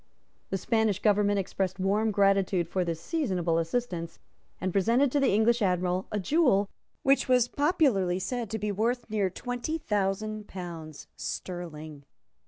The Spanish government expressed warm gratitude for this seasonable assistance, and presented to the English Admiral a jewel which was popularly said to be worth near twenty thousand pounds sterling.